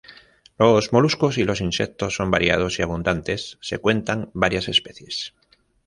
Los moluscos y los insectos son variados y abundantes, se cuentan varias especies.